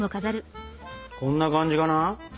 こんな感じかな。